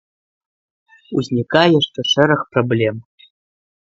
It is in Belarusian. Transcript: Узнікае яшчэ шэраг праблем.